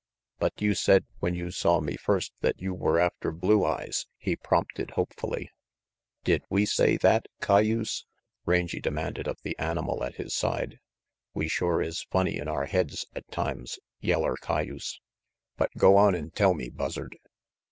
"But you said when you saw me first that you were after Blue Eyes," he prompted hopefully. "Did we say that, cayuse?" Rangy demanded of the animal at his side. "We shore is funny in our heads at times, yeller cayuse. But go on an' tell me, Buzzard."